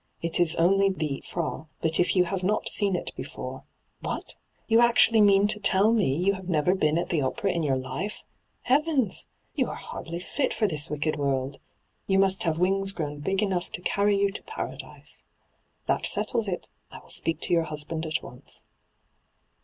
It is only the " Fra," but if you have not seen it before What? You actuaUy mean to tell me you have D,gt,, 6rtbyGOOglC 1 66 ENTRAPPED never been at the opera in yoar life ? HeavenB I you are hardly fit for this wicked world. You must have win(p grown big enough to carry you to Paradise. That settles it. I will speak to your husband at once.'